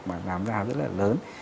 mà làm ra rất là lớn